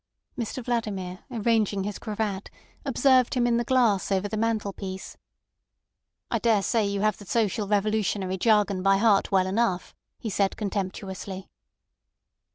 Mr Vladimir, arranging his cravat, observed him in the glass over the mantelpiece. "I daresay you have the social revolutionary jargon by heart well enough," he said contemptuously.